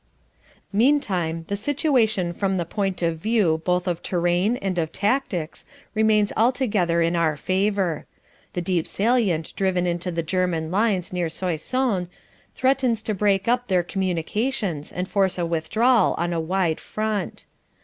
"Meantime the situation from the point of view both of terrain and of tactics remains altogether in our favour. The deep salient driven into the German lines near Soissons threatens to break up their communications and force a withdrawal on a wide front.